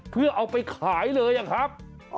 เพื่อเอาไปขายเลยอะครับ